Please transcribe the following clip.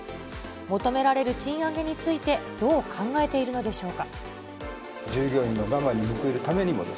求められる賃上げについてどう考えているのでしょうか。